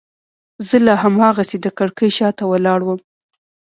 زه لا هماغسې د کړکۍ شاته ولاړ وم.